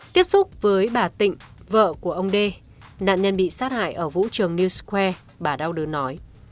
tiếp xúc với bà tịnh vợ của ông d nạn nhân bị sát hại ở vũ trường new square bà đau đớn nói